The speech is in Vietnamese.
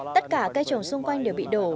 tất cả cây trồng xung quanh đều bị đổ